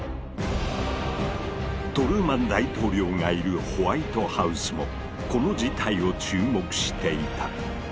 トルーマン大統領がいるホワイトハウスもこの事態を注目していた。